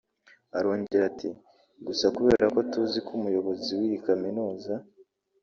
Arongera ati “gusa kubera ko tuziko umuyobozi w’iyi kaminuza